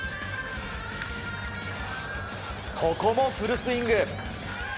ここもフルスイング。